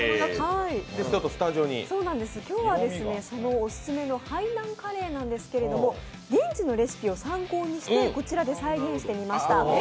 今日は、オススメのハイナンカレーなんですけれども、現地のレシピを参考にしてこちらで再現してみました。